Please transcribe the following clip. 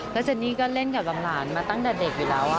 แล้วเจนนี่ก็เล่นกับหลานมาตั้งแต่เด็กอยู่แล้ว